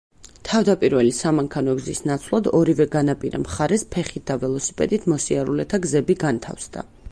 თავდაპირველი სამანქანო გზის ნაცვლად ორივე განაპირა მხარეს ფეხით და ველოსიპედით მოსიარულეთა გზები განთავსდა.